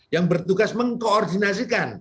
yang bertugas mengkoordinasikan